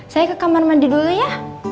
saya ke kamar mandi dulu ya